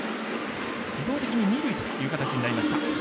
自動的に二塁という形になりました。